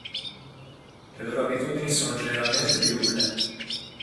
Le loro abitudini sono generalmente diurne.